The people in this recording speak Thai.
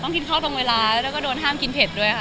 ต้องการอาหารตรงเวลาแล้วก็โดนห้ามกินเผ็ดด้วยค่ะ